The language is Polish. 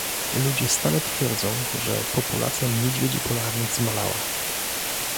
Ludzie stale twierdzą, że populacja niedźwiedzi polarnych zmalała